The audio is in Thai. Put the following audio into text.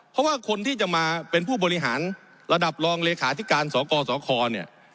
เพราะว่าคนที่จะมาเป็นผู้บริหารระดับรองเลขาธิการสกสคเนี่ย